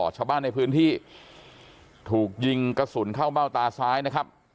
ชาวบ้านในพื้นที่ถูกยิงกระสุนเข้าเบ้าตาซ้ายนะครับ